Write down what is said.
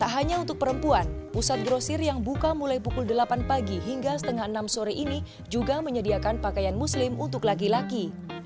tak hanya untuk perempuan pusat grosir yang buka mulai pukul delapan pagi hingga setengah enam sore ini juga menyediakan pakaian muslim untuk laki laki